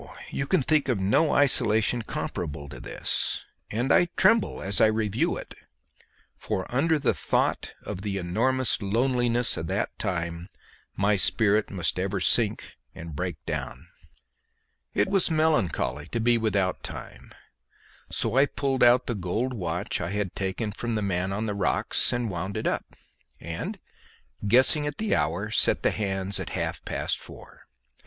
you can think of no isolation comparable to this; and I tremble as I review it, for under the thought of the enormous loneliness of that time my spirit must ever sink and break down. It was melancholy to be without time, so I pulled out the gold watch I had taken from the man on the rocks and wound it up, and guessing at the hour, set the hands at half past four.